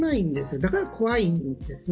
だから怖いんですね。